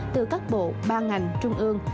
từ các bộ ba ngành trung ương